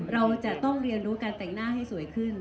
เราจะต้องเรียนรู้การแต่งหน้าให้สวยขึ้น